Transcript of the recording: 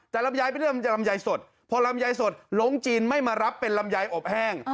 แต่ลำยายไม่ได้เรียกว่าลำยายสดพอลำยายสดหลงจีนไม่มารับเป็นลำยายอบแห้ง